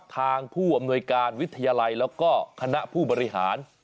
ทางผู้อำนวยการวิทยาลัยแล้วก็คณะผู้บริหาร